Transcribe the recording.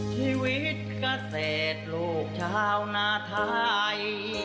ชีวิตเกษตรลูกชาวนาไทย